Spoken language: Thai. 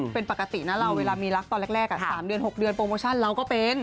เป็นปกตินะเราเวลามีรักตอนแรก๓เดือน๖เดือนโปรโมชั่นเราก็เป็น